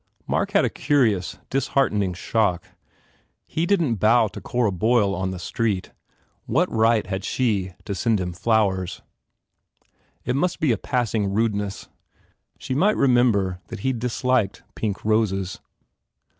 Mark had a curious, disheartening shock. He didn t bow to Cora Boyle on the street. What right had she to send him flowers? It must be a passing rudeness. She might remember that he disliked pink roses.